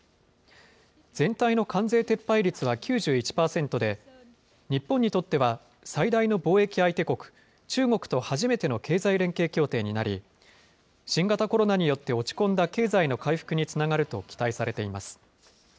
全体の関税撤廃率は９１％で、日本にとっては最大の貿易相手国、中国と初めての経済連携協定になり、新型コロナによって落ち込んだ経済の回復につながると期待されています。